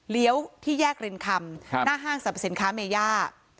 ที่แยกรินคำหน้าห้างสรรพสินค้าเมย่า